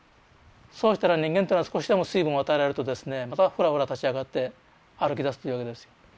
そうしたら人間っていうのは少しでも水分を与えられるとですねまたフラフラ立ち上がって歩きだすというわけですよ。